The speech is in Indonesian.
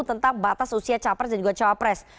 tentang batas usia capres dan juga cawapres